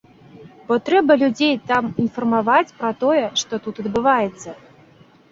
Бо трэба людзей там інфармаваць пра тое, што тут адбываецца.